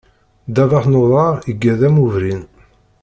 Ddabex n uḍar iga d amubrin.